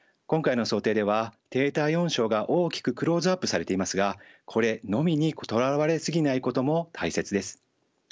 今回の想定では低体温症が大きくクローズアップされていますがこれのみにとらわれすぎないことも大切です。